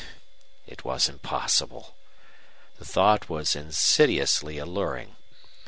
It was impossible. The thought was insidiously alluring.